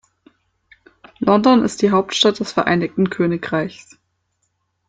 London ist die Hauptstadt des Vereinigten Königreichs.